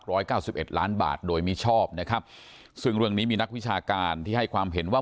เก้าสิบเอ็ดล้านบาทโดยมิชอบนะครับซึ่งเรื่องนี้มีนักวิชาการที่ให้ความเห็นว่า